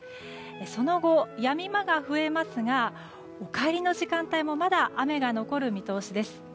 その後、やみ間が増えますがお帰りの時間帯もまだ雨が残る見通しです。